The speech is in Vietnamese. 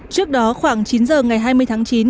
trước đó khoảng chín giờ ngày hai mươi tháng chín